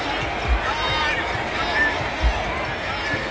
มาแล้วครับพี่น้อง